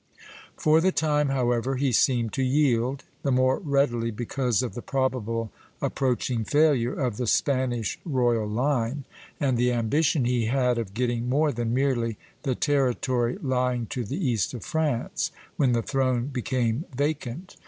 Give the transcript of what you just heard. For the time, however, he seemed to yield; the more readily because of the probable approaching failure of the Spanish royal line, and the ambition he had of getting more than merely the territory lying to the east of France, when the throne became vacant.